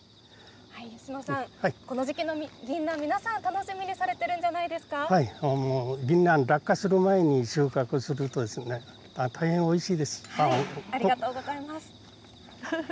吉野さん、この時期のぎんなん、皆さん楽しみにされてるんじゃなぎんなん、落下する前に、収ありがとうございます。